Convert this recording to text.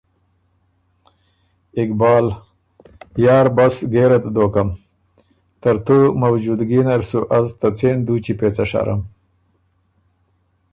اقبال: یار بس ګېرت دوکم، ترتُو موجودګي نر سُو از ته څېن دُوچي پېڅه شرم۔